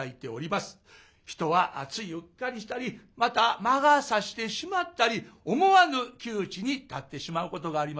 人はついうっかりしたりまた魔が差してしまったり思わぬ窮地に立ってしまうことがありますね。